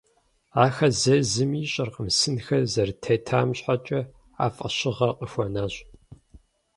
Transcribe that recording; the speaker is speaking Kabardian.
Ахэр зейр зыми ищӏэркъым, сынхэр зэрытетам щхьэкӏэ а фӏэщыгъэр къыхуэнащ.